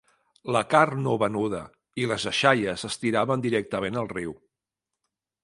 La carn no venuda i les deixalles es tiraven directament al riu.